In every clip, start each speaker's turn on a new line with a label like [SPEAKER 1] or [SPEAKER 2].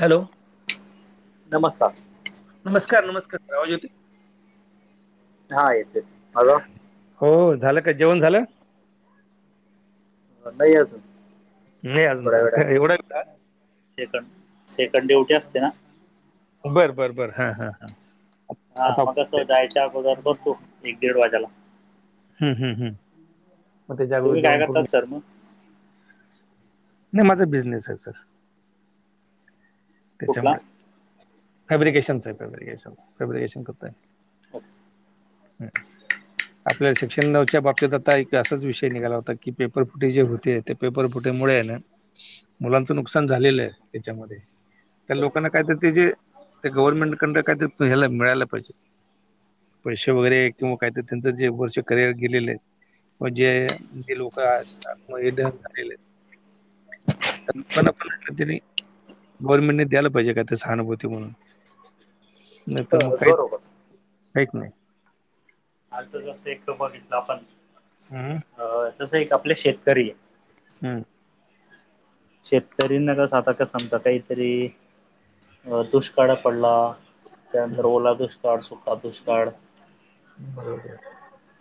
[SPEAKER 1] Hello.
[SPEAKER 2] नमस्कार.
[SPEAKER 1] नमस्कार नमस्कार आवाज येतोय.
[SPEAKER 2] हा येतो येतो हॅलो
[SPEAKER 1] हो झालं का जेवण झालं
[SPEAKER 2] नाही अजून
[SPEAKER 1] नाही अजून
[SPEAKER 2] थोड्या
[SPEAKER 1] झालं का
[SPEAKER 2] वेळाने करु
[SPEAKER 1] एवढा
[SPEAKER 2] सेकंड सेकंड डिवटी असते ना
[SPEAKER 1] बरं बरं बरं हा हा हा
[SPEAKER 2] हा मग कसं जायच्या अगोदर बसतो एक दीड वाजेला
[SPEAKER 1] हम्म हम्म हम्म
[SPEAKER 2] तुम्ही काय करतात सर मग
[SPEAKER 1] नाही माझा बिझनेस आहे सर
[SPEAKER 2] कुठला
[SPEAKER 1] त्याच्यामुळे फॅब्रिकेशनच आहे फॅब्रिकेशन फॅब्रिकेशन करत आहे
[SPEAKER 2] ओके
[SPEAKER 1] हम्म आपल्याला सेक्शन नऊच्या बाबतीत आता एक असाच विषय निघाला होता की पेपर फुटले जे होते ते पेपर फुटेमुळे आहे ना मुलांच नुकसान झालेलं आहे त्याच्यामध्ये त्या लोकांना काहीतरी त्या जे त्या गव्हर्नमेंट कडन काहीतरी ह्याला मिळायला पाहिजे पैसे वगैरे किंवा काहीत त्यांचं जे वर्ष करिअर गेलेले आहेत म्हणजे जे लोक आतमध्ये दर झालेले आहेत कल्पना पण नाही गव्हर्नमेंटने द्यायला पाहिजे काय ते सहानुभूती म्हणून नाही तर मग काहीच
[SPEAKER 2] बरोबर
[SPEAKER 1] काहीच नाही
[SPEAKER 2] आज जसं एकत बघितलं आपण
[SPEAKER 1] हम
[SPEAKER 2] अ तसं एक आपले शेतकरी आहे
[SPEAKER 1] हम्म
[SPEAKER 2] शेतकरीना कस आता का समजा काहीतरी दुष्काळ पडला त्यानंतर
[SPEAKER 1] हम्म.
[SPEAKER 2] ओला दुष्काळ सुखा दुष्काळ
[SPEAKER 1] बरोबर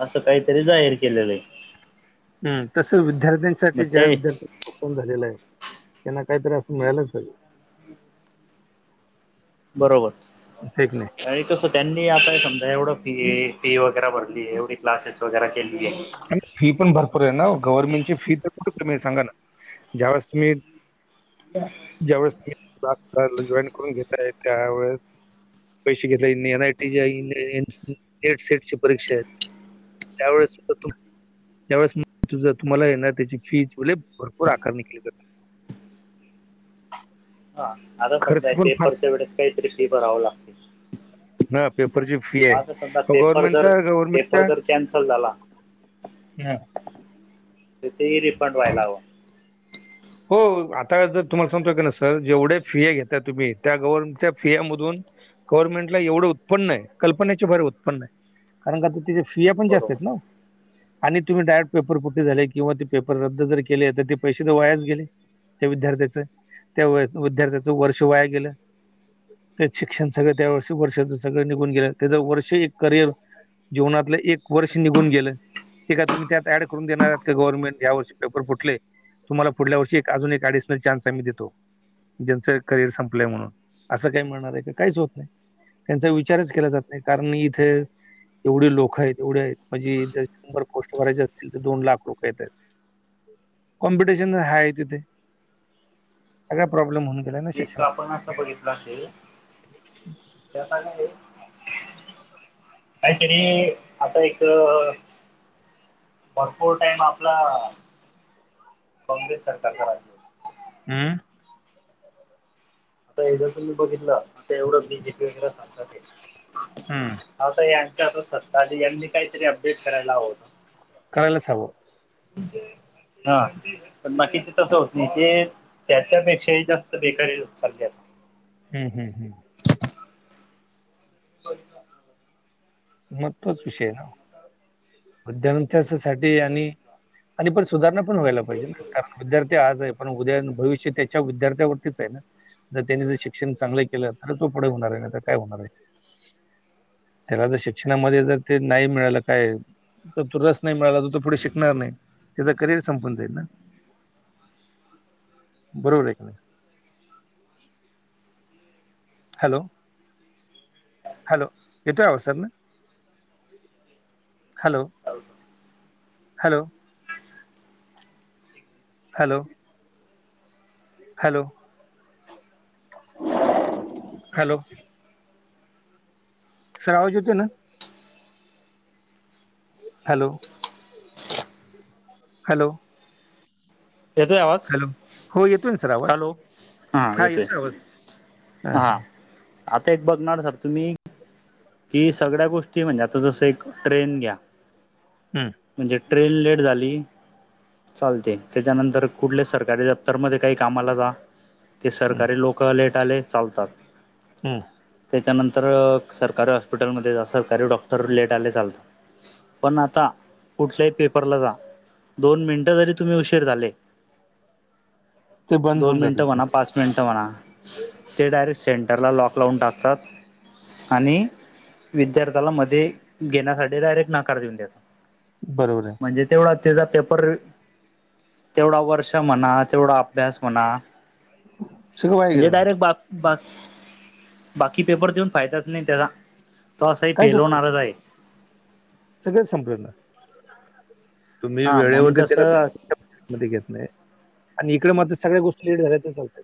[SPEAKER 2] असं काहीतरी जाहीर केलेलं आहे
[SPEAKER 1] हम तस
[SPEAKER 2] मग
[SPEAKER 1] विद्यार्थ्यांसाठी ज्या
[SPEAKER 2] ते
[SPEAKER 1] विद्यार्थ्यांच झालेलं आहे त्यांना काहीतरी असं मिळालंच पाहिजे
[SPEAKER 2] बरोबर
[SPEAKER 1] नाही
[SPEAKER 2] आणि तसं त्यांनी आता समजा एवढं फी फी वगैरे भरली आहे एवढी क्लासेस वगैरे केली आहे
[SPEAKER 1] आणि फी पण भरपूर आहे ना गव्हर्नमेंट ची फी तर कुठे तुम्ही सांगा ना ज्यावेळेस तुम्ही
[SPEAKER 2] ह
[SPEAKER 1] ज्यावेेळेस तुम्ही क्लास जॉईन करून घेताय त्यावेेळेस पैसे घेतला N I T net set च्या परीक्षा आहेत त्यावेळेस त्यावेळेस मग जर तुम्हाला येणार त्याची फी भरपूर आकार निघली जात
[SPEAKER 2] हा आता
[SPEAKER 1] खर्च
[SPEAKER 2] समजा
[SPEAKER 1] पण फार
[SPEAKER 2] पेपरच्या वेळेस काहीतरी फिर भराव लागते
[SPEAKER 1] हा पेपरची फी फी आहे
[SPEAKER 2] आता समजा पेपर जर
[SPEAKER 1] गव्हर्नमेंटचा
[SPEAKER 2] पेपर
[SPEAKER 1] गव्हर्मेंटला
[SPEAKER 2] जर कॅन्सल झाला
[SPEAKER 1] ह
[SPEAKER 2] तिथेही रिफंड व्हायला हवं
[SPEAKER 1] हो आता जर तुम्हाला सांगतोय की ना सर जेवढे फिया घेताय तुम्ही त्या गव्हर्नमेंटच्या फिया मधून गव्हर्नमेंट ला एवढं उत्पन्न आहे कल्पनेच्या भर उत्पन्न आहे कारण का त्याच्यात फिया पण जास्त आहेत. ना
[SPEAKER 2] बरोबर
[SPEAKER 1] आणि तुम्ही डायरेक्ट पेपर फुटी झाले, किंवा ते पेपर रद्द जर केले, तर ते पैसेच तर वायाच त्या विद्यार्थ्याच, त्या विद्यार्थ्याच वर्ष वाया गेलं. त्यात शिक्षण सगळं, त्या वर्षी वर्षाच सगळं निघून गेलं. त्याच वर्ष एक करियर जिवनातलं एक वर्ष निघून गेलं. ते का तुम्ही, त्यात ऍड करून देणार येत का? गव्हर्मेट या वर्षी पेपर फुटले. तुम्हाला पुढल्या वर्षी एक, अजून एक ॲडिशनल चान्स आम्ही देतो. ज्यांचं करिअर संपलंय म्हणून, असं काही म्हणणार आहे का? काहीच होत नाही. त्यांचा विचारच केला जात नाही. कारण इथ एवढे लोकं आहेत. एवढ आहेत म्हणजे जंर शंभर पोस्ट भरायचे असतील, तर दोन लाख लोक येत आहेत. कॉम्पिटिशन हाय तिथे, काय प्रॉब्लेम होईन.
[SPEAKER 2] एकदा आपण असं बघितला असेल, त्याता काय आहे. काहीतरी आता एक भरपूर टाइम, आपला काँग्रेस सरकारचा राहिल.
[SPEAKER 1] हम्म....
[SPEAKER 2] आता हे जर तुम्ही बघितल. आता एवढं मी जे सांगतात ते
[SPEAKER 1] हम्म
[SPEAKER 2] आता, यांच्या हातात सत्ता आणि यांनी काहीतरी अपडेट करायला हवंतं.
[SPEAKER 1] करायलाच हव.
[SPEAKER 2] हा.. पण, बाकीची तसं होत नाही ते त्याच्यापेक्षाही, जास्त बेकारी होत चालली आहे.
[SPEAKER 1] हम्म.. हम्म.. हम्म
[SPEAKER 2] [unintelligible]
[SPEAKER 1] मग, तोच विषय आहे ना. हो त्यांच्यासाठी आणि आणि पण सुधारणा पण व्हायला पाहिजे ना. कारण विद्यार्थी आज आहे, पण उद्या अन भविष्य त्याच्या विद्यार्थ्यावरतीच आहे. ना जर, त्यांनी जर शिक्षण चांगलं केलं, तर तो पुढे होणार आहे ना. तर काय होणार आहे. त्याला, जर शिक्षणामध्ये जर ते नाही मिळालं काय तर, तो रस नाही मिळाला. तो पुढे शिकणार नाही. त्याचा करिअर संपून जाईल ना बरोबर आहे का? नाही. हॅलो.. हॅलो.. येतोय आवाज सर ना hello... hello... hello... hello... hello... sir, आवाज येतोय ना? हॅलो... हॅलो...
[SPEAKER 2] येतोय आवाज
[SPEAKER 1] हॅलो हो येतोय ना सर आवाज
[SPEAKER 2] हॅलो... हा येतोय. हा आता, एक बघणार सर, तुम्ही कि, सगळ्या गोष्टी म्हणजे? आता जसं एक ट्रेन घ्या.
[SPEAKER 1] हम्म...
[SPEAKER 2] म्हणजे, ट्रेन लेट झाली. चालते. त्याच्यानंतर कुठल्या सरकारी दप्तरमध्ये काही कामाला जा. ते
[SPEAKER 1] हम्म,
[SPEAKER 2] सरकारी लोक लेट आले चालतात.
[SPEAKER 1] हम्म.
[SPEAKER 2] त्याच्यानंतर सरकारी हॉस्पिटलमध्ये जा सरकारी डॉक्टर लेट आले चालतात. पण आता कुठल्याही पेपरला जा दोन मिनिटं जरी तुम्ही उशीर झाले.
[SPEAKER 1] ते बंद
[SPEAKER 2] दोन
[SPEAKER 1] होऊन जाते
[SPEAKER 2] मिनिटं
[SPEAKER 1] ते
[SPEAKER 2] म्हणा पाच म्हणतं म्हणा ते डायरेक्ट सेंटरला लॉक लावून टाकतात आणि विद्यार्थ्याला मध्ये घेण्यासाठी डायरेक्ट नाकार देऊन देतो
[SPEAKER 1] बरोबर आहे
[SPEAKER 2] म्हणजे तेवढा त्याचा पेपर तेवढा वर्ष म्हणा तेवढा अभ्यास म्हणा
[SPEAKER 1] सगळं वाया गेलं
[SPEAKER 2] म्हणजे
[SPEAKER 1] ना
[SPEAKER 2] डायरेक्ट बाप बस बाकी पेपर देऊन फायदाच नाही त्याचा तो असाही
[SPEAKER 1] काहीच
[SPEAKER 2] फेल
[SPEAKER 1] उपयोग नाही.
[SPEAKER 2] होणारच आहे.
[SPEAKER 1] सगळंच संपलं ना तुम्ही
[SPEAKER 2] हा म्हणून
[SPEAKER 1] वेळेवरती त्याला
[SPEAKER 2] कसं
[SPEAKER 1] घेत नाही आणि इकडे मात्र सगळ्या गोष्टी लेट झाल्या तर चालत.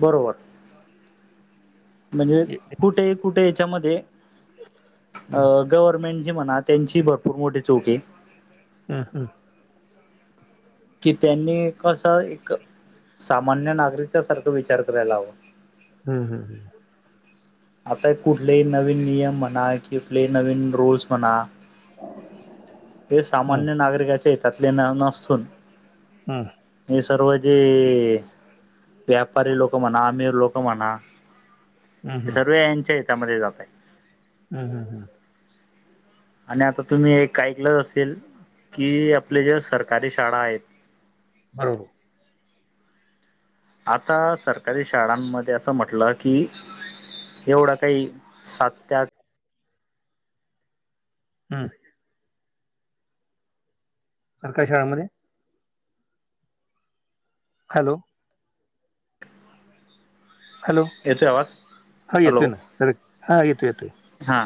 [SPEAKER 2] बरोबर म्हणजे कुठे कुठे याच्यामध्ये अ
[SPEAKER 1] हं,
[SPEAKER 2] गव्हर्नमेंट जी म्हणा त्यांची भरपूर मोठी चूक आहे.
[SPEAKER 1] हम हम
[SPEAKER 2] की त्यांनी कसं एक सामान्य नागरिकसारखं विचार करायला हवां
[SPEAKER 1] हम् हम् हम
[SPEAKER 2] आता कुठलेही नवीन नियम म्हणा कुठले नवीन रूल्स म्हणा हे
[SPEAKER 1] हं, हं,
[SPEAKER 2] सामान्य नागरिकाच्या हतातले न नसून
[SPEAKER 1] हं,
[SPEAKER 2] हे सर्व जे व्यापारी लोक म्हणा आमिर लोक म्हणा
[SPEAKER 1] हं,
[SPEAKER 2] सर्व यांच्या हच्यामध्ये जातय
[SPEAKER 1] हम्म हम् हम्
[SPEAKER 2] आणि आता तुम्ही एक ऐकलं असेल की आपले जे सरकारी शाळा आहेत.
[SPEAKER 1] बरोबर
[SPEAKER 2] आता सरकारी शाळांमध्ये असं म्हटलं की एवढा काही सात ते आठ
[SPEAKER 1] हा सरकारी शाळांमध्ये हॅलो हॅलो
[SPEAKER 2] येतोय आवाज
[SPEAKER 1] हो येतोय
[SPEAKER 2] हॅलो
[SPEAKER 1] ना सर हा येतो येतोय
[SPEAKER 2] हा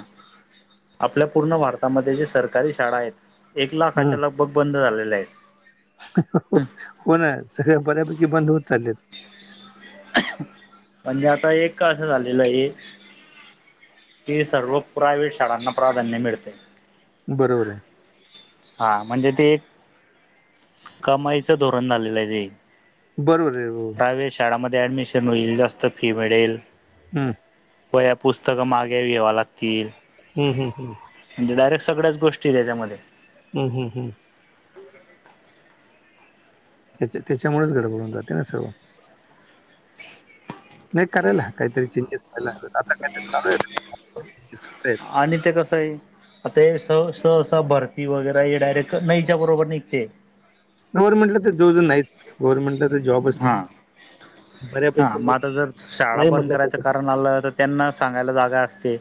[SPEAKER 2] आपल्या पूर्ण भारतामध्ये जे सरकारी शाळा आहेत एक
[SPEAKER 1] हं.
[SPEAKER 2] लाखाच्या ल बघ बंद झालेलं आहे.
[SPEAKER 1] हो ना सगळ्या बऱ्यापैकी बंद होत चाललेत.
[SPEAKER 2] म्हणजे आता एक का असं झालेलं आहे. की सर्व प्रायव्हेट शाळांना प्राधान्य मिळते.
[SPEAKER 1] बरोबर आहे.
[SPEAKER 2] हा म्हणजे ते एक कमाईच धोरण झालेलं आहे ते
[SPEAKER 1] बरोबर आहे.
[SPEAKER 2] प्रायव्हेट शाळामध्ये ऍडमिशन होईल जास्त फी मिळेल.
[SPEAKER 1] हम्म
[SPEAKER 2] वया पुस्तक मागे घ्यावा लागतील.
[SPEAKER 1] हं, हं, हं,
[SPEAKER 2] म्हणे डायरेक्ट सगळ्या गोष्टी आहे त्याच्यामध्ये
[SPEAKER 1] हम हम त्याच्या त्याच्यामुळेच गडबडून जाते ना सर्व नाही करायला ह काहीतरी चेंजेस करायला आता काहीतरी
[SPEAKER 2] आणि ते कसं आहे आता ते स स स वगैरे हे डायरेक्ट इच्या बरोबर निघते
[SPEAKER 1] गव्हर्नमेंटला तर जो जो नाहीच गव्हर्नमेंटला तर जॉबच
[SPEAKER 2] हा.
[SPEAKER 1] नाही.
[SPEAKER 2] हा
[SPEAKER 1] बऱ्यापैकी
[SPEAKER 2] मग आता जर शाळा
[SPEAKER 1] नाही
[SPEAKER 2] बंद करायचं
[SPEAKER 1] म्हटल्यासारखंच आहे.
[SPEAKER 2] कारण आलं तर त्यांना सांगायला जागा असते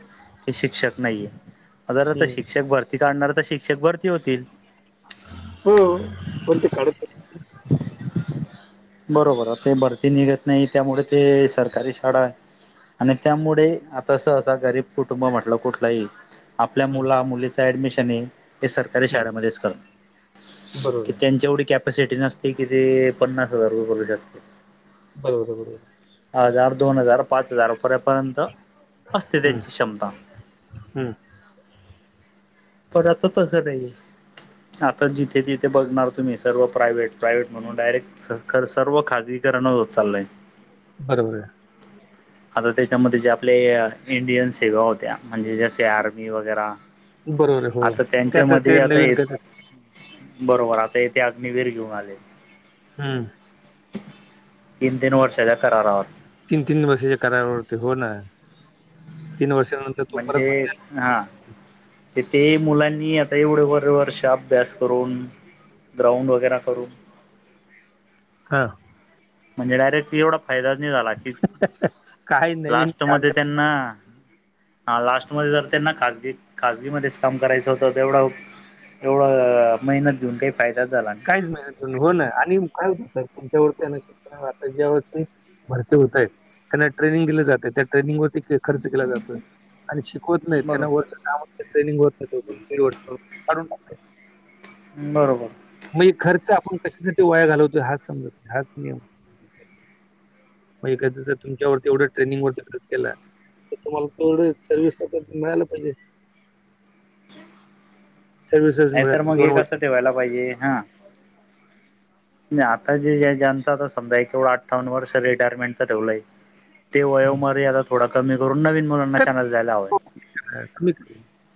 [SPEAKER 2] कि शिक्षक नाहीये जर तर
[SPEAKER 1] हम्म.
[SPEAKER 2] शिक्षक भरती काढणार तर शिक्षक भरती होतील
[SPEAKER 1] हो पण ते काढत नाही.
[SPEAKER 2] बरोबर ते भरती निघत नाही त्यामुळे ते सरकारी शाळा आहे. आणि त्यामुळे आता सहसा गरीब कुटुंब म्हटलं कुठलाही. आपल्या
[SPEAKER 1] हम्म.
[SPEAKER 2] मुला मुलीच ऍडमिशन आहे. हे सरकारी
[SPEAKER 1] हम्म.
[SPEAKER 2] शाळेमध्येच करत
[SPEAKER 1] बरोबर
[SPEAKER 2] कि
[SPEAKER 1] आहे.
[SPEAKER 2] त्यांची एवढी कॅपसिटी नसते कि ते पन्नास. हार ब टते.
[SPEAKER 1] बरोबर आहे बरोबर.
[SPEAKER 2] हजार दोन हजार पाच हजारपेपर्यंत. असते
[SPEAKER 1] आहे. हम्म.
[SPEAKER 2] त्यांची क्षमता.
[SPEAKER 1] हम्म.
[SPEAKER 2] पण आता तसं नाहीे. आता जिथे तिथे बघणार तुम्ही सर्व प्रायव्हेट प्रायव्हेट म्हणून डायरेक्ट. खर सर्व खाासगीकरणा वर चाललंय.
[SPEAKER 1] बरोबर आहे.
[SPEAKER 2] आता त्याच्यामध्ये जे आपले इंडियन सेवा होत्या आणि सीआरपी वगैरे
[SPEAKER 1] आहे बरोबर आहे हो
[SPEAKER 2] आता
[SPEAKER 1] ते
[SPEAKER 2] त्यांच्या मध्ये
[SPEAKER 1] ते
[SPEAKER 2] आता
[SPEAKER 1] नवीन
[SPEAKER 2] य.
[SPEAKER 1] करतात
[SPEAKER 2] बरोबर आता येथे अग्निवीर घेऊन आले.
[SPEAKER 1] हम्म.
[SPEAKER 2] तीन तीन वर्षाच्या करारावर
[SPEAKER 1] तीन तीन वर्षाच्या करारा वरती हो ना तीन वर्षा नंतर
[SPEAKER 2] म्हणजे हा. तिथे मुलांनी आता एवढे बरे वर्ष अभ्यास करून. ग्राउंड वगैरे करून.
[SPEAKER 1] हं
[SPEAKER 2] म्हणजे डायरेक्ट एवढा फायदाच नाही झाला की
[SPEAKER 1] काही नवीन
[SPEAKER 2] लास्ट
[SPEAKER 1] काढ
[SPEAKER 2] मध्ये त्यांना. हा लास्टमध्ये जर त्यांना खजगी खाजगी मध्येच काम करायचं होतं तेवढं एवढं मेहनत घेऊन काही फायदाच झाला. नाही
[SPEAKER 1] काहीच मेहनत घेऊन आणि उकळस होतस तेवढ व्यवस्थित भरती होतय त्यांना ट्रेनिंग दिले जाते त्या ट्रेनिंग वरती खर्च केला जातोय आणि. होत नाही त्यांना
[SPEAKER 2] बरोबर
[SPEAKER 1] वरचं काम होत ट्रेनिंग होत न होती म्हणून काढुन टाकलं
[SPEAKER 2] बरोबर
[SPEAKER 1] मी खर्च आपण कशासाठी वाया घालवतो हाच समजतो हाच नियम. मग एखाद्याच्या तुमच्यावरती एवढं ट्रनिंग वरती खर्च केला. तर तुम्हाला तेवढ सर्विस मिळायला पाहिजे. सर्व्हिसेस
[SPEAKER 2] नाही
[SPEAKER 1] मिळत
[SPEAKER 2] तर मग
[SPEAKER 1] दोन
[SPEAKER 2] हे कसं
[SPEAKER 1] वर्ष
[SPEAKER 2] ठेवायला पाहिजे हा आता जे जनता आता समजा एवढं अठ्ठान्न वर्ष रिटायरमेंटच ठेवलंय. ते वयो मरी आता थोडा कमी करून नवीन मुलांना चॅनल
[SPEAKER 1] [unintelligible]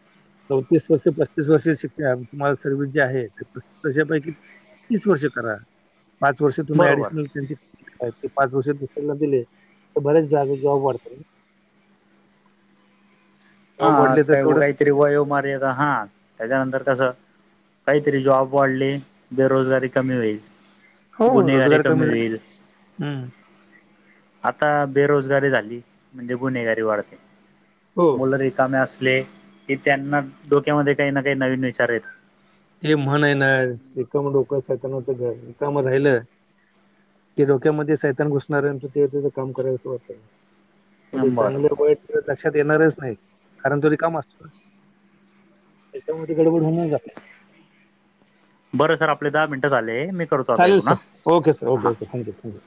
[SPEAKER 1] चौतीस वर्ष पस्तीस वर्ष शिक्ष्या [unintelligible] तुम्हाला [unintelligible] सर्वस जे आहे तशपैकी. तीस वर्ष करा. पाच वर्ष तुम्ही
[SPEAKER 2] बरोबर
[SPEAKER 1] ऍडिशनल त्यांची. का ते पाच वर्ष दुसऱ्यांना दिले तर बऱ्याच जा [inaudible] जॉब वाढते.
[SPEAKER 2] हा
[SPEAKER 1] जॉब वाढले तर
[SPEAKER 2] का
[SPEAKER 1] तेवढं
[SPEAKER 2] काहीतरी वय [unintelligible] मारेत हा त्याच्यानंतर कसं. काहीतरी जॉब वाढले, बेरोजगारी कमी होईल.
[SPEAKER 1] हो
[SPEAKER 2] गुन्हेगारी
[SPEAKER 1] रोजगार
[SPEAKER 2] कमी
[SPEAKER 1] झाले
[SPEAKER 2] होईल.
[SPEAKER 1] हम्म.
[SPEAKER 2] आता बेरोजगारी झाली म्हणजे गुन्हेगारी वाढते.
[SPEAKER 1] हो
[SPEAKER 2] मुलं रिकामे असले की त्यांना डोक्यामध्ये काही ना काही नवीन विचार येतात.
[SPEAKER 1] ते म्हण आहे ना रिकाम डोकं सैतानाच घर रिकाम राहिलं. ते डोक्यामध्ये सैतान घुसणार [unintelligible] ते त्याचं काम करायचं वाटत. ते
[SPEAKER 2] बरं
[SPEAKER 1] चांगले वाईट लक्षात येणारच नाही, कारण तो रिकामा असतो असतो ना. त्याच्यामुळे गडबड होऊन जाते.
[SPEAKER 2] बरं सर आपले दहा मिनटं झाले मी- [unintelligible]
[SPEAKER 1] चालेल सर,
[SPEAKER 2] हा
[SPEAKER 1] ओेके सर ओक
[SPEAKER 2] हा.
[SPEAKER 1] ओके थँ्यू थँक्यू.